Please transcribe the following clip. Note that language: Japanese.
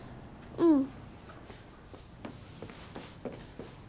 うん。